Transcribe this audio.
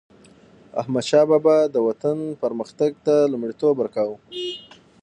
احمدشاه بابا به د وطن پرمختګ ته لومړیتوب ورکاوه.